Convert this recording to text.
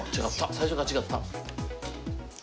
最初が違った。